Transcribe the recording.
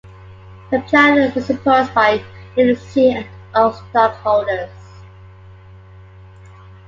The plan was opposed by many C and O stockholders.